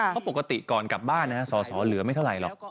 เพราะปกติก่อนกลับบ้านสอสอเหลือไม่เท่าไหร่หรอก